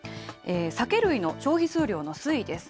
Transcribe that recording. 酒類の消費数量の推移です。